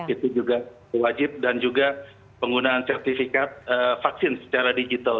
itu juga wajib dan juga penggunaan sertifikat vaksin secara digital